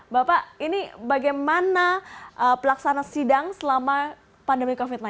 bapak ini bagaimana pelaksana sidang selama pandemi covid sembilan belas